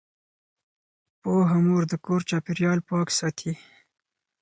پوهه مور د کور چاپیریال پاک ساتي۔